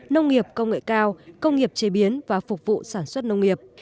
nông nghiệp công nghệ cao công nghiệp chế biến và phục vụ sản xuất nông nghiệp